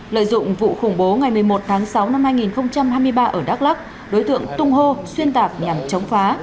lợi dụng vụ khủng bố ngày một mươi một tháng sáu năm hai nghìn hai mươi ba ở đắk lắc đối tượng tung hô xuyên tạc nhằm chống phá